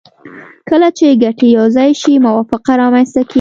کله چې ګټې یو ځای شي موافقه رامنځته کیږي